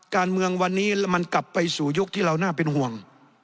การเมืองวันนี้มันกลับไปสู่ยุคที่เราน่าเป็นห่วง